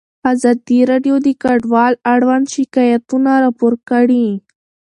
ازادي راډیو د کډوال اړوند شکایتونه راپور کړي.